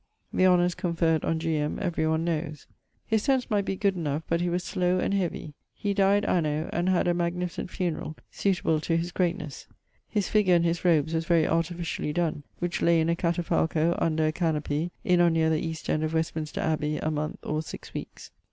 The honours conferred on G. M. every one knowes. His sence might be good enough, but he was slow, and heavie. He dyed anno ... and had a magnificent funerall, suitable to his greatnesse. His figure in his robes was very artificially donne, which lay in a catafalco under a canopie, in or neer the east end of Westminster abby, a moneth or 6 weekes.